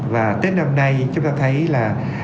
và tết năm nay chúng ta thấy là